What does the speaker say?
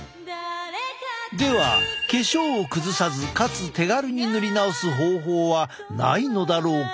では化粧を崩さずかつ手軽に塗り直す方法はないのだろうか？